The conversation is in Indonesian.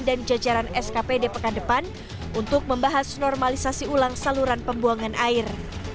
dan jajaran skp di pekan depan untuk membahas normalisasi ulang saluran pembuangan air